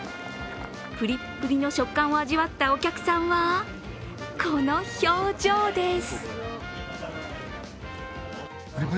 プリプリの食感を味わったお客さんは、この表情です。